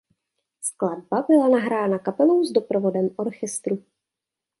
Skladba byla nahrána kapelou s doprovodem orchestru.